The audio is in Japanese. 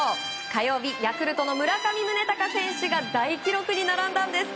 火曜日ヤクルトの村上宗隆選手が大記録に並んだんです。